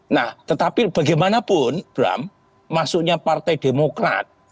nah tetapi bagaimanapun bram masuknya partai demokrat